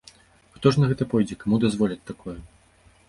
Хто ж на гэта пойдзе, каму дазволяць такое?